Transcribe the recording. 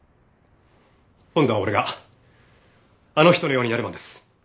今度は俺があの人のようになる番です。